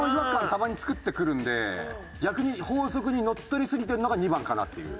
たまに作ってくるんで逆に法則にのっとりすぎてるのが２番かなっていう。